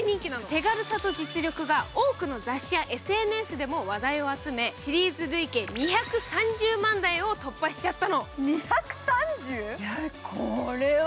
手軽さと実力が、多くの雑誌やＳＮＳでも話題を集めシリーズ累計２３０万台を突破しちゃったの。